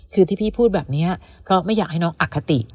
คือที่พี่พูดแบบนี้ก็ไม่อยากให้น้องอคติ